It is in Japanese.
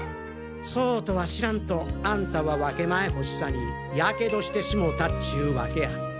そうとは知らんとアンタは分け前欲しさに火傷してしもたっちゅうワケや。